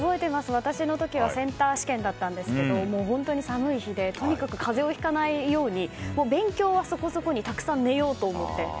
私の時はセンター試験だったんですけど本当に寒い日でとにかく風邪をひかないように勉強はそこそこにたくさん寝ようと思って。